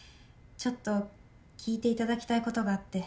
ちょっと聞いていただきたいことがあって。